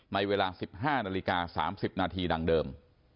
ในเวลา๑๕นาฬิกา๓๐นาทีดังเดิม